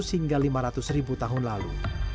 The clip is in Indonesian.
tujuh ratus hingga lima ratus ribu tahun lalu